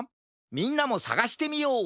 みんなもさがしてみよう！